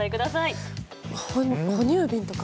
哺乳瓶とか？